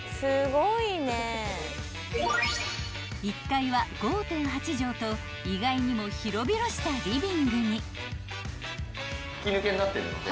［１階は５．８畳と意外にも広々したリビングに］